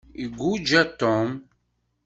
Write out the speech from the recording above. Iguja Tom.